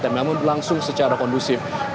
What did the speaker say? dan memang berlangsung secara kondusif